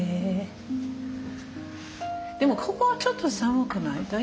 でもここはちょっと寒くない？